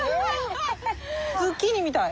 ズッキーニみたい。